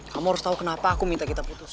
kamu harus tahu kenapa aku minta kita putus